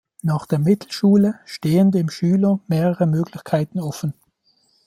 Nach der Mittelschule stehen dem Schüler mehrere Möglichkeiten offen.